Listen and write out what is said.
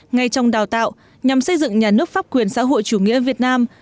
ngay trong đào tạo nhằm xây dựng nhà nước pháp quyền xã hội chủ nghĩa việt nam